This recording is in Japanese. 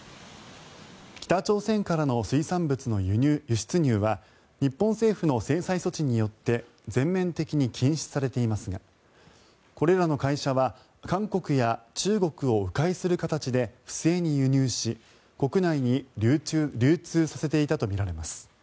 北朝鮮からの水産物の輸出入は日本政府の制裁措置によって全面的に禁止されていますがこれらの会社は韓国や中国を迂回する形で不正に輸入し国内に流通させていたとみられます。